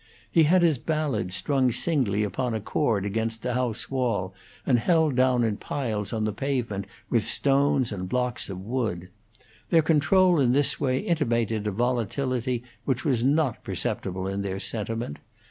He had his ballads strung singly upon a cord against the house wall, and held down in piles on the pavement with stones and blocks of wood. Their control in this way intimated a volatility which was not perceptible in their sentiment.